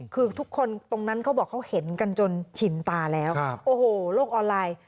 คือทุกคนตรงนั้นเขาบอกเขาเห็นกันจนชินตาแล้วโอ้โหโลกออนไลน์